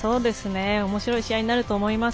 おもしろい試合になると思います。